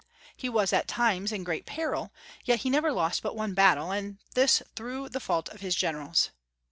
He was at times in great peril, yet he never lost but one battle, and this through the fault of his generals.